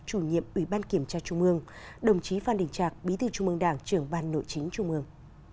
chủ nhiệm ủy ban kiểm tra trung mương đồng chí phan đình trạc bí thư trung mương đảng trưởng ban nội chính trung ương